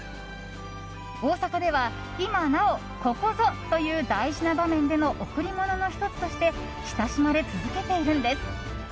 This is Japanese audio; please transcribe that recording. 大阪では今なおここぞという大事な場面でも贈り物の１つとして親しまれ続けているんです。